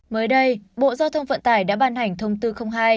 mới đây bộ giao thông vận tải đã bàn hành thông bốn trăm linh hai